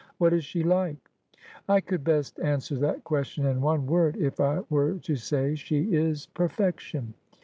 Wha,t is she like ?'' I could best answer that question in one word if I were to say she is perfection.'